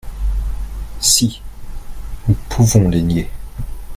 Si, nous pouvons les nier.